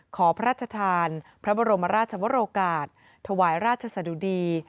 ขอพระราชทานพระบรมราชวรกาศถวายราชสะดุดี